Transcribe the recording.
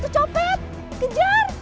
ah itu copet kejar